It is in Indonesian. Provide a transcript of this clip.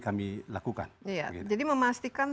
kami lakukan jadi memastikan